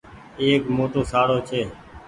ايڪ موٽو شاڙو ڇي۔